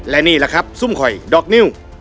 และนี่แหละครับซุ่มคอยดอกนิ้ว